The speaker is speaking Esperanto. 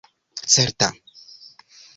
certa